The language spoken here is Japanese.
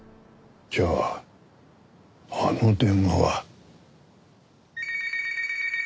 じゃああの電話は。